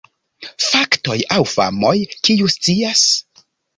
Faktoj aŭ famoj: kiu scias?